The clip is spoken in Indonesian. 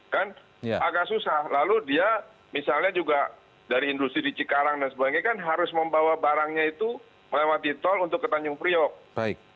kan agak susah lalu dia misalnya juga dari industri di cikarang dan sebagainya kan harus membawa barangnya itu melewati tol untuk ke tanjung priok